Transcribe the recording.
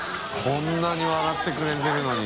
こんなに笑ってくれてるのに。